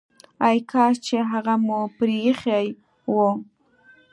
ای کاش چي هغه مو پريښی وو!